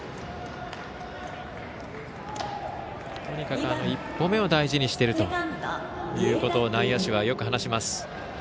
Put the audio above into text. とにかく１歩目を大事にしてるということを内野手はよく話します。